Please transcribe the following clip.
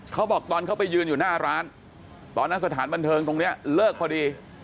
เขาบอกตอนเขาไปยืนอยู่หน้าร้านตอนนั้นสถานบันเทิงตรงนี้เลิกพอดี